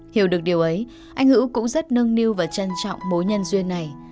hiểu được điều ấy anh hữu cũng rất nâng niu và trân trọng mối nhân duyên này